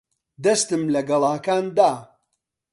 دەستم لە گەڵاکان دا.